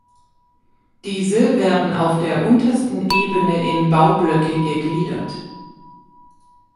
Diese werden auf der untersten Ebene in Baublöcke gegliedert.